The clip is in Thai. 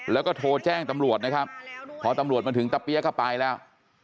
แล้วก็โทรแจ้งตำรวจนะครับพอตำรวจมาถึงตะเี้ยก็ไปแล้ว